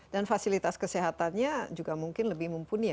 dan fasilitas kesehatannya juga mungkin lebih mumpuni ya